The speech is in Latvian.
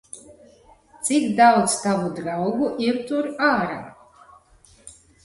Cik daudz tavu draugu ir tur ārā?